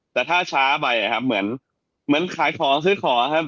แต่ถ้าช้าไปเหมือนขายของซื้อของครับ